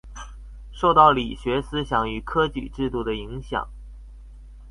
受到理學思想與科舉制度的影響